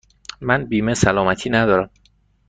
من بیمه سلامتی ندارم.